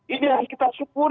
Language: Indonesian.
ini harus kita syukuri